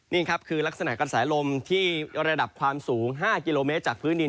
นี่ครับคือลักษณะกระแสลมที่ระดับความสูง๕กิโลเมตรจากพื้นดิน